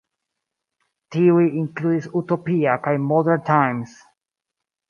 Tiuj inkludis "Utopia" kaj "Modern Times.